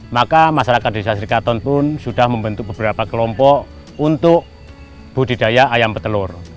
maka masyarakat desa srikatun pun sudah membentuk beberapa kelompok untuk budidaya ayam petelur